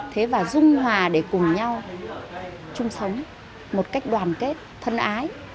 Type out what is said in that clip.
thế và dung hòa để cùng nhau chung sống một cách đoàn kết thân ái